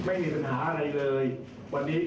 อยากจะสู้ได้กับภาคคนใหม่